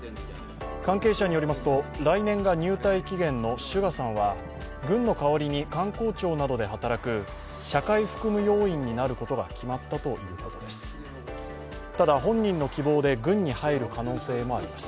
関係者によりますと、来年が入隊期限のＳＵＧＡさんは軍の代わりに官公庁などで働く社会服務要員になることが決まったということです。